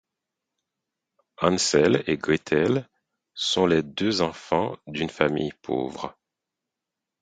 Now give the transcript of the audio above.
Hansel et Gretel sont les deux enfants d'une famille pauvre.